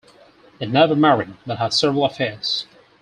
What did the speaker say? He never married but had several affairs.